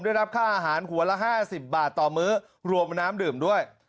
ได้รับค่าอาหารหัวละ๕๐บาทต่อมื้อรวมน้ำดื่มด้วย